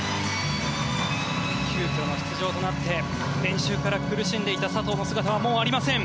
急きょの出場となって練習から苦しんでいた佐藤の姿はもうありません。